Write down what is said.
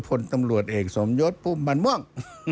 พลตำรวจเอกสมยศภูมิบันม่วง